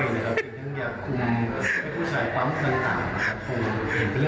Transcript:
อย่างนึงอยากคุมผู้ชายความต่างนะครับ